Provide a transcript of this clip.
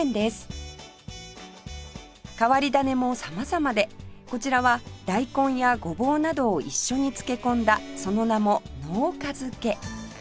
変わり種も様々でこちらは大根やゴボウなどを一緒に漬け込んだその名も「農家漬」